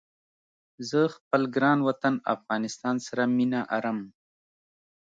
زه خپل ګران وطن افغانستان سره مينه ارم